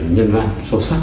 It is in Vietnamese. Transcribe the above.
nhân văn sâu sắc